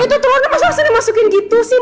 itu telurnya masa masa nih masukin gitu sih